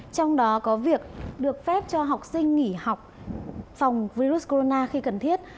trong đó có việc được phép cho học sinh nghỉ học phòng virus corona khi cần thiết